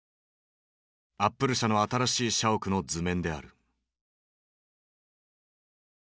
アップル社の新しい社屋の図面である。